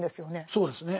そうですね。